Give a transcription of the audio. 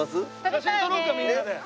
写真撮ろうかみんなで。